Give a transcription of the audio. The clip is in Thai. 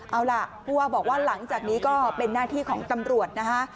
เอาล่ะผู้ว่าบอกว่าหลังจากนี้ก็เป็นหน้าที่ของตำรวจนะคะ